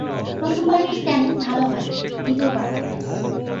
প্রথম বারের স্ক্যানিং ভালো হয় নি, দ্বিতীয় বার করলেন।